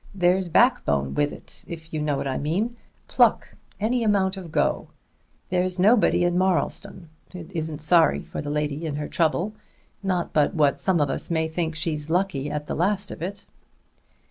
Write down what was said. There's backbone with it, if you know what I mean pluck any amount of go. There's nobody in Marlstone that isn't sorry for the lady in her trouble not but what some of us may think she's lucky at the last of it."